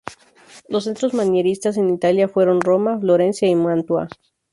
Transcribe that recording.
Los centros manieristas en Italia fueron Roma, Florencia y Mantua.